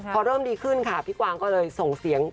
พอเริ่มดีขึ้นค่ะพี่กวางก็เลยส่งเสียง